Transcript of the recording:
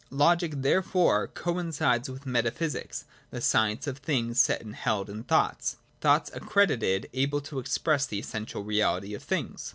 Logic therefore coincides with Metaphysics, the science of things set and held in thoughts, — thoughts ac credited able to express the essential reality of things.